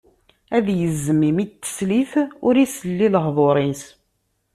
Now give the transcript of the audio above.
Ad yezzem imi n teslit, ur isel i lehḍur-is.